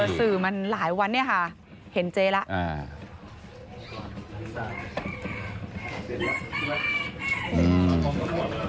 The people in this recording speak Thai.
สื่อมันหลายวันเนี่ยค่ะเห็นเจ๊แล้ว